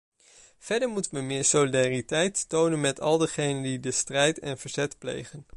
Verder moeten we meer solidariteit tonen met al degenen die strijd en verzet plegen.